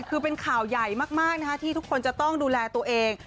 คือเป็นข่าวใหญ่มากที่ทุกคนจะต้องดูแลตัวเอง